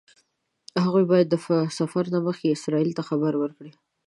هغوی باید د سفر نه مخکې اسرائیلو ته خبر ورکړي.